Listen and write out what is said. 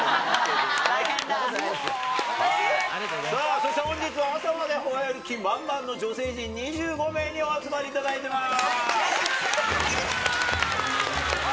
そして本日は朝まで吠える気満々の女性陣２５名にお集まりいただいています。